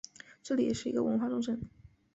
这里也是一个文化重镇。